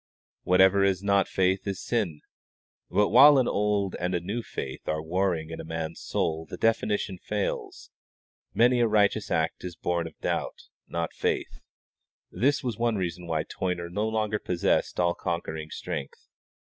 "Whatever is not of faith is sin"; but while an old and a new faith are warring in a man's soul the definition fails: many a righteous act is born of doubt, not faith. This was one reason why Toyner no longer possessed all conquering strength.